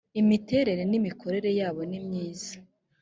imiterere n’imikorere yabo nimyiza.